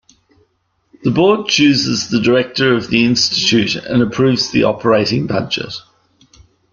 The Board chooses the Director of the Institute and approves the operating budget.